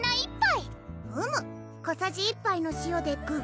小さじ一杯の塩でぐ